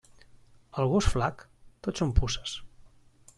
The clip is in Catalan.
Al gos flac, tot són puces.